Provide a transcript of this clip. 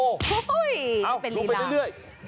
โอ้โหลงไปเรื่อย